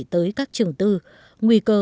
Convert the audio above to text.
tới các trường tư nguy cơ